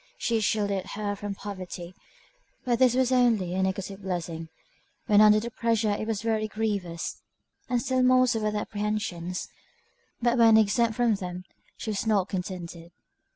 She shielded her from poverty; but this was only a negative blessing; when under the pressure it was very grievous, and still more so were the apprehensions; but when exempt from them, she was not contented.